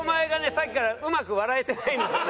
さっきからうまく笑えてないんですよね。